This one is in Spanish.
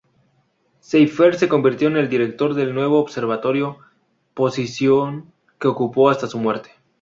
Seyfert se convirtió en director del nuevo observatorio, posición que ocupó hasta su muerte.